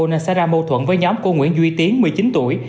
nên xảy ra mâu thuẫn với nhóm của nguyễn duy tiến một mươi chín tuổi